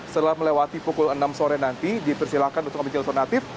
setelah melewati pukul enam sore nanti dipersilakan ke penjualan natif